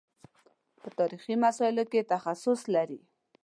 په تاریخي مسایلو کې تخصص لري.